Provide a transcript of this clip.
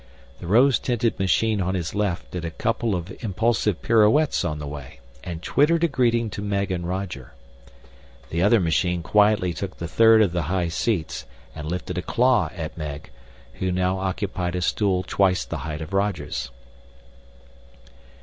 The rose tinted machine on his left did a couple of impulsive pirouettes on the way and twittered a greeting to Meg and Roger. The other machine quietly took the third of the high seats and lifted a claw at Meg, who now occupied a stool twice the height of Roger's.